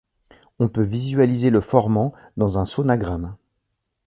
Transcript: On peut visualiser le formant dans un sonagramme.